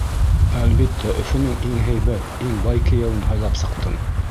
Әлбиттә, Өфөнөң иң һәйбәт, иң бай кейәүен һайлап сыҡтым.